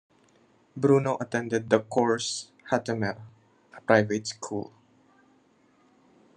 Bruno attended the Cours Hattemer, a private school.